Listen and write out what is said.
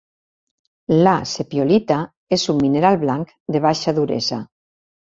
La sepiolita és un mineral blanc de baixa duresa.